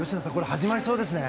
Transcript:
始まりそうですね。